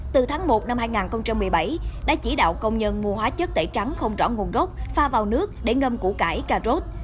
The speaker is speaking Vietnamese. từ tháng một năm hai nghìn một mươi bảy đã chỉ đạo công nhân mua hóa chất tẩy trắng không rõ nguồn gốc pha vào nước để ngâm củ cải cà rốt